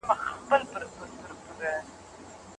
چي ړندې کي غبرګي سترګي د اغیارو